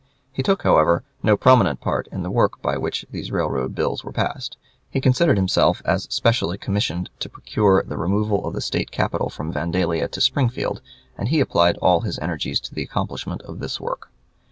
He took, however, no prominent part in the work by which these railroad bills were passed. He considered himself as specially commissioned to procure the removal of the State capital from Vandalia to Springfield, and he applied all his energies to the accomplishment of this work.